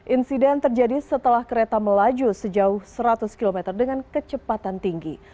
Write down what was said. insiden terjadi setelah kereta melaju sejauh seratus km dengan kecepatan tinggi